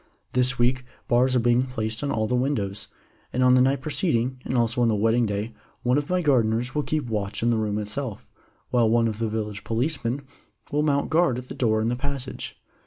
This week bars are being placed on all the windows, and on the night preceding, and also on the wedding day, one of my gardeners will keep watch in the room itself, while one of the village policemen will mount guard at the door in the passage.